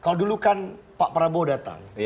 kalau dulu kan pak prabowo datang